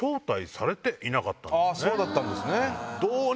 そうだったんですね。